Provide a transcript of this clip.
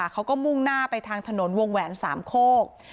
เขาก็มุ่งหน้าไปทางถนนวงแหวน๓โคก